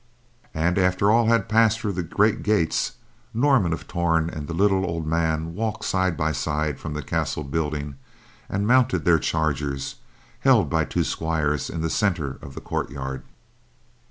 And after all had passed through the great gates, Norman of Torn and the little old man walked side by side from the castle building and mounted their chargers held by two squires in the center of the courtyard.